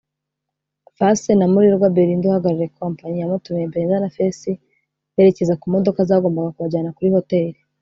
Face na Murerwa Belinda uhagarariye kompanyi yamutumiye Belinda na Face berekeza ku modoka zagombaga kubajyana kuri Hotel